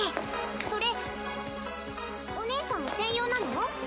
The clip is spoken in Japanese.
それお姉さん専用なの？